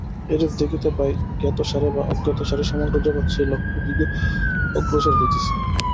এইরূপে দেখিতে পাই, জ্ঞাতসারে বা অজ্ঞাতসারে সমগ্র জগৎ সেই লক্ষ্যের দিকে অগ্রসর হইতেছে।